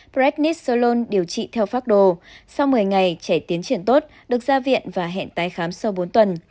brednitz solon điều trị theo pháp đồ sau một mươi ngày trẻ tiến triển tốt được ra viện và hẹn tái khám sau bốn tuần